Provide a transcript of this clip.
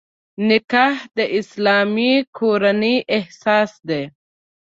نکاح د اسلامي کورنۍ اساس دی.